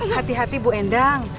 hati hati bu hendang